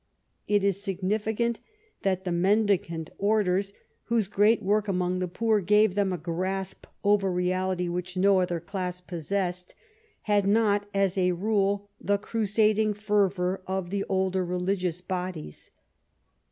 It is significant that the Mendicant Orders, whose great work among the poor gave them a grasp over reality Avhich no other class possessed, had not, as a rule, the crusading fervour of the older religious bodies.